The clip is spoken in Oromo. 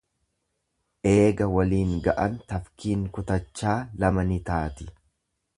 Eega waliin ga'an tafkiin kutachaa lama ni taati.